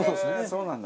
そうなんだ。